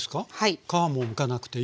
皮もむかなくていい？